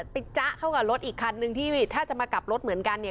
จ๊ะเข้ากับรถอีกคันนึงที่ถ้าจะมากลับรถเหมือนกัน